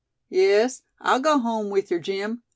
"Yes, I'll go home with yer, Jim!